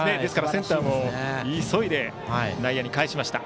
センターも急いで内野に返しました。